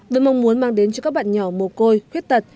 với mong muốn mang đến cho các bạn nhỏ mồ côi khuyết tật